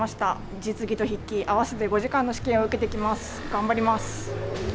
実技と筆記、合わせて５時間の試験を受けてきます、頑張ります。